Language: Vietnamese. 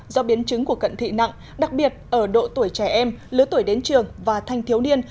do biến chứng của cận thị nặng đặc biệt ở độ tuổi trẻ em lứa tuổi đến trường và thanh thiếu niên